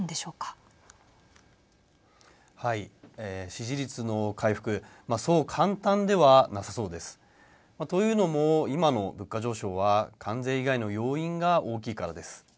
支持率の回復そう簡単ではなさそうです。というのも今の物価上昇は関税以外の要因が大きいからです。